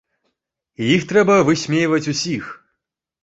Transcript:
Іх трэба высмейваць усіх.